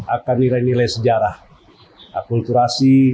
akan nilai nilai sejarah akulturasi